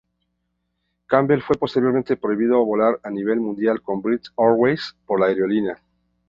Campbell fue posteriormente prohibido volar a nivel mundial con British Airways por la aerolínea.